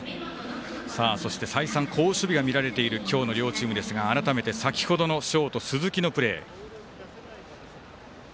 そして再三好守備が見られている両チームですが改めて先ほどのショート鈴木のプレー。